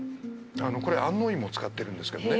これ安納芋を使ってるんですけどね。